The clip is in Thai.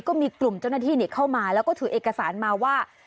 ก็มีกลุ่มเจ้าหน้าที่เข้ามาแล้วก็ถือเอกสารมาว่า